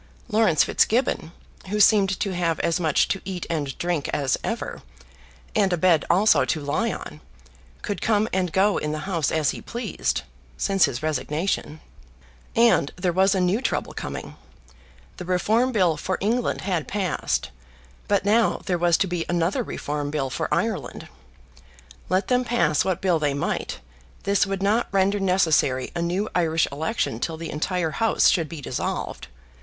Laurence Fitzgibbon, who seemed to have as much to eat and drink as ever, and a bed also to lie on, could come and go in the House as he pleased, since his resignation. And there was a new trouble coming. The Reform Bill for England had passed; but now there was to be another Reform Bill for Ireland. Let them pass what bill they might, this would not render necessary a new Irish election till the entire House should be dissolved.